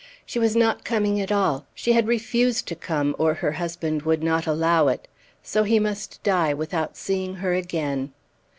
She was not coming at all. She had refused to come or her husband would not allow it. So he must die without seeing her again!